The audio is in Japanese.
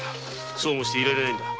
そうもしていられないんだ。